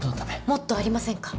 もっとありませんか？